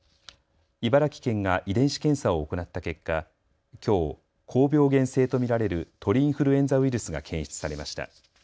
茨城県が遺伝子検査を行った結果、きょう高病原性と見られる鳥インフルエンザウイルスが検出されました。